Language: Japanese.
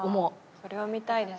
それは見たいです。